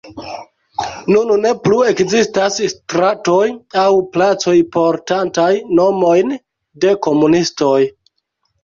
Nun ne plu ekzistas stratoj aŭ placoj portantaj nomojn de komunistoj.